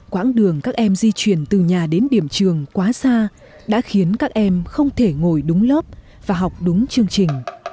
quãng đường các em di chuyển từ nhà đến điểm trường quá xa đã khiến các em không thể ngồi đúng lớp và học đúng chương trình